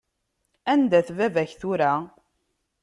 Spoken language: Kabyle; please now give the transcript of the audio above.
Anda-t baba-k tura?